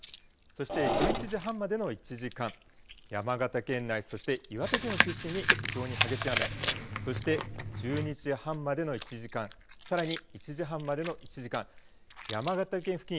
そして１１時半までの１時間山形県内、そして岩手県を中心に非常に激しい雨、そして１２時半までの１時間、さらに１時半までの１時間、山形県付近